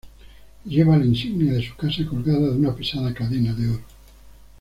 Lleva la insignia de su casa colgada de una pesada cadena de oro.